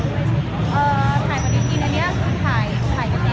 เขาแขกภาพได้หมดนะครับ